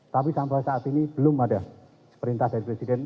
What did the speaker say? tapi sampai saat ini belum ada seperintah dari presiden